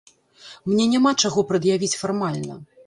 Мне няма чаго прад'явіць фармальна.